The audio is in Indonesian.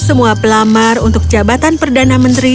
dan semua pelamar untuk jabatan perdana menteri